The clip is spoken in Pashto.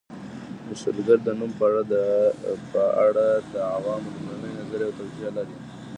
د شلګر د نوم په اړه د عوامو لومړی نظر یوه توجیه لري